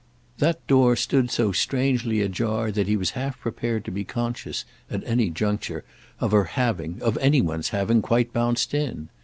That door stood so strangely ajar that he was half prepared to be conscious, at any juncture, of her having, of any one's having, quite bounced in.